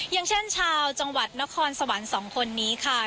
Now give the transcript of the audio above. อย่างเช่นชาวจังหวัดนครสวรรค์สองคนนี้ค่ะ